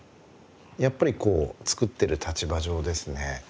やっぱりこう造ってる立場上ですね